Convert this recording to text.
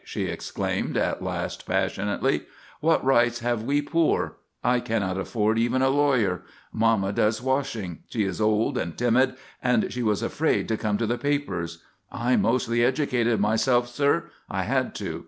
she exclaimed at last passionately. "What rights have we poor? I cannot afford even a lawyer. Mamma does washing. She is old and timid, and she was afraid to come to the papers. I mostly educated myself, sir; I had to.